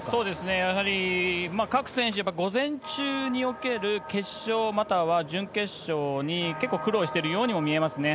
やはり各選手、やっぱ午前中における決勝、または準決勝に結構苦労してるようにも見えますね。